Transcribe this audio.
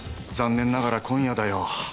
残念ながら今夜だよ。